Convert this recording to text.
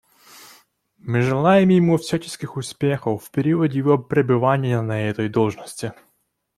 Мы желаем ему всяческих успехов в период его пребывания на этой должности.